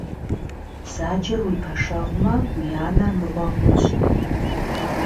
Бзаджэр уи пэшэгьумэ уи анэр мыгъуэ хъунщ.